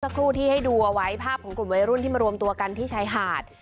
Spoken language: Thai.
ครูที่ให้ดูเอาไว้ภาพของกลุ่มวัยรุ่นที่มารวมตัวกันที่ชายหาด